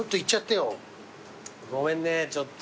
ごめんねちょっと。